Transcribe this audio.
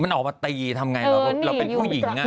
มันออกมาตีทำไงเราเป็นผู้หญิง